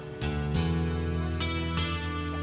terus kamu juga selamat